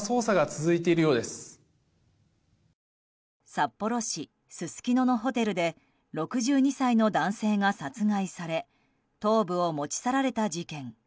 札幌市すすきののホテルで６２歳の男性が殺害され頭部を持ち去られた事件。